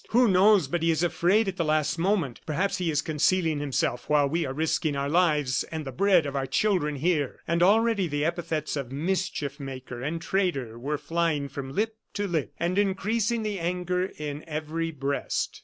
"Who knows but he is afraid at the last moment? Perhaps he is concealing himself while we are risking our lives and the bread of our children here." And already the epithets of mischief maker and traitor were flying from lip to lip, and increasing the anger in every breast.